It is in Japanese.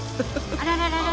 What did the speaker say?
あらららら。